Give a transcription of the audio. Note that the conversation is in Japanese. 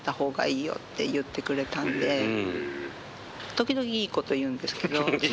時々いいこと言うんですけど。